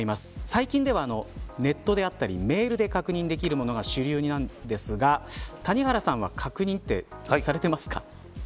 最近では、ネットであったりメールで確認できるものが主流なんですが谷原さんは確認ってされてますか。